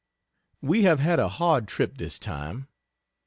We have had a hard trip this time.